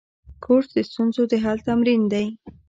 کورس د ستونزو د حل تمرین دی.